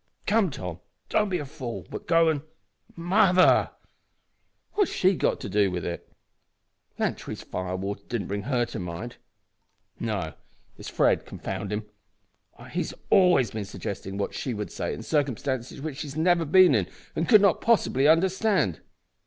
Come, Tom, don't be a fool, but go and Mother! What has she got to do with it? Lantry's fire water didn't bring her to my mind. No, it is Fred, confound him! He's always suggesting what she would say in circumstances which she has never been in and could not possibly understand.